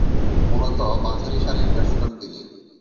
মূলতঃ মাঝারিসারির ব্যাটসম্যান তিনি।